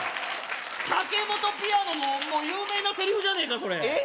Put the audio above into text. タケモトピアノのもう有名なセリフじゃねえかそれえっ？